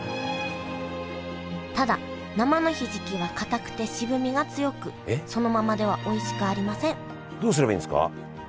ただ生のひじきはかたくて渋みが強くそのままではおいしくありませんどうすればいいんですか？